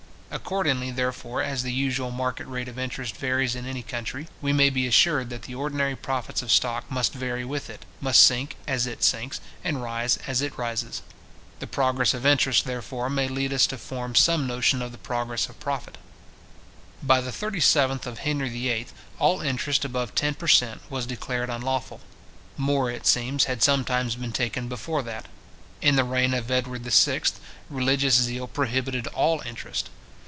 Accordingly, therefore, as the usual market rate of interest varies in any country, we may be assured that the ordinary profits of stock must vary with it, must sink as it sinks, and rise as it rises. The progress of interest, therefore, may lead us to form some notion of the progress of profit. By the 37th of Henry VIII. all interest above ten per cent. was declared unlawful. More, it seems, had sometimes been taken before that. In the reign of Edward VI. religious zeal prohibited all interest.